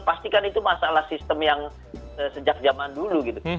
pastikan itu masalah sistem yang sejak zaman dulu gitu